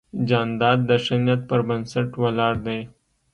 جانداد د ښه نیت پر بنسټ ولاړ دی.